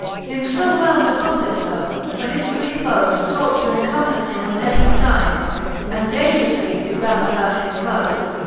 XX. Him well behoved fo ; for his three foes Sought to encompafle him on every fide, And dangeroufly did round about enclofe.